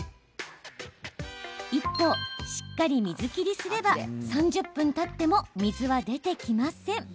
一方、しっかり水切りすれば３０分たっても水は出てきません。